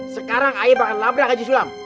sekarang ae bakal labrah kaji sulam